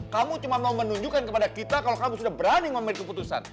kamu cuma mau menunjukkan kepada kita kalau kamu sudah berani mengambil keputusan